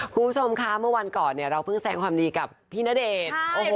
คุณผู้ชมคะเมื่อวันก่อนเนี่ยเราเพิ่งแสงความดีกับพี่ณเดชน์